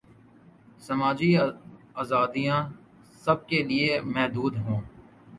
سماجی آزادیاں سب کیلئے محدود ہوں۔